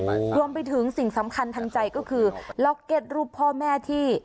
รวมไปถึงสิ่งสำคัญทันใจก็คือล็อกเก็ตรูปพ่อแม่ที่